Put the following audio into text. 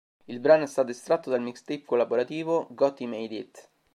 Il brano è stato estratto dal mixtape collaborativo "Gotti Made-It".